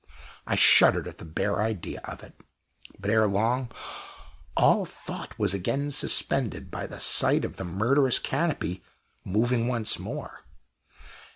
I shuddered at the bare idea of it. But, ere long, all thought was again suspended by the sight of the murderous canopy moving once more.